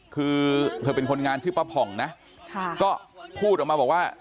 คือเธอเป็นคนงานชื่อป้าผ่องนะก็พูดออกมาบอกว่า